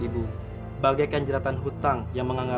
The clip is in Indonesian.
ibu lakukan apa yang kamu inginkan